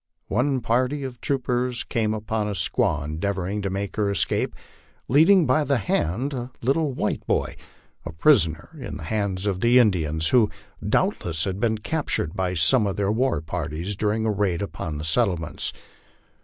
One party of troopers came upon a squaw endeavoring to make her escape, leading by the hand a little white boy, a prisoner in the hands of the Indians, and who doubtless had been captured by some of their war parties during a raid upon the settlements.